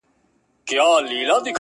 د ماشومتوب او د بنګړیو وطن-